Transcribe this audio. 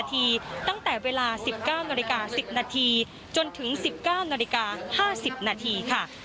ตั้งแต่เวลา๑๙๑๐นจนถึง๑๙๕๐นค่ะ